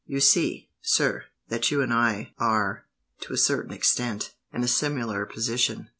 You see, sir, that you and I are, to a certain extent, in a similar position.